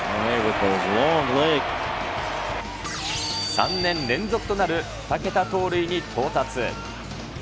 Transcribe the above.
３年連続となる２桁盗塁に到達。